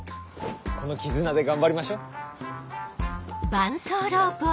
この絆で頑張りましょう。